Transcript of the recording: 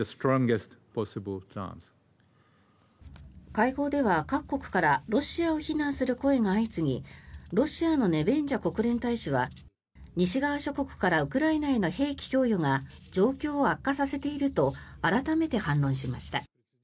会合では各国からロシアを非難する声が相次ぎロシアのネベンジャ国連大使は西側諸国からウクライナへの兵器供与が状況を悪化させていると改めて反論しました。